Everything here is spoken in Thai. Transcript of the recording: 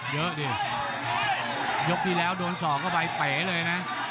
เยอะดิยกที่แล้วโดนศอกเข้าไปเป๋เลยนะ